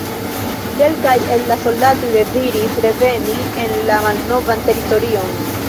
Kelkaj el la soldatoj deziris reveni en la malnovan teritorion.